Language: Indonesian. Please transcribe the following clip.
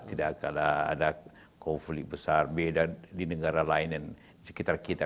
tidak kalah ada konflik besar beda di negara lain dan sekitar kita